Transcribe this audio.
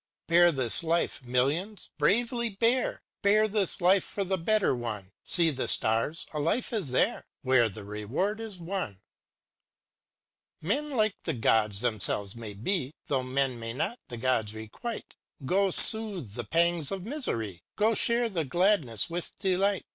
Chorus â Bear this life, millions, bravely bear â Bear this life for the better one! See the stars ! a life is there. Where the reward is won. Men like the Gods themselves may be. Though men may not the Gods requite; Go soothe the pangs of Misery, Go share the gladness with delight.